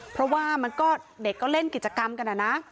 เพราะว่าเด็กก็เล่นกิจกรรมกันอ่ะนะ